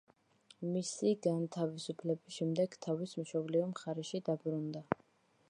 მისი განთავისუფლების შემდეგ თავის მშობლიურ მხარეში დაბრუნდა.